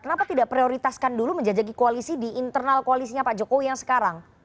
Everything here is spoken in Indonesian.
kenapa tidak prioritaskan dulu menjajaki koalisi di internal koalisinya pak jokowi yang sekarang